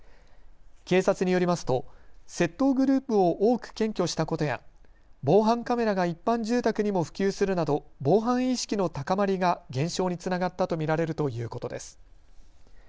警察によりますと窃盗グループを多く検挙したことや防犯カメラが一般住宅にも普及するなど防犯意識の高まりが減少につながったと見られるということです。